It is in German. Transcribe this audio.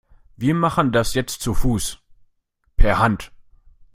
Wir machen das jetzt zu Fuß per Hand.